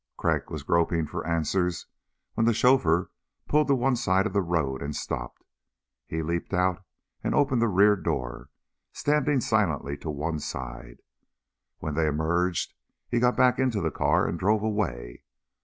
Crag was groping for answers when the chauffeur pulled to one side of the road and stopped. He leaped out and opened the rear door, standing silently to one side. When they emerged, he got back into the car and drove away.